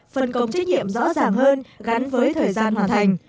phân công trách nhiệm rõ ràng hơn gắn với thời gian hoàn thành